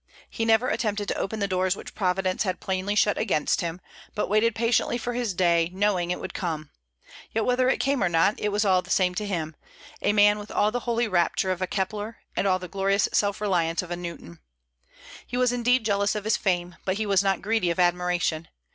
He never attempted to open the doors which Providence had plainly shut against him, but waited patiently for his day, knowing it would come; yet whether it came or not, it was all the same to him, a man with all the holy rapture of a Kepler, and all the glorious self reliance of a Newton. He was indeed jealous of his fame, but he was not greedy of admiration.